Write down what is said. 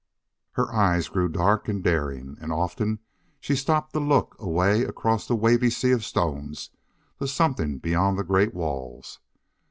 Her eyes grew dark and daring, and often she stopped to look away across the wavy sea of stones to something beyond the great walls.